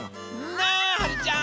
ねえはるちゃん！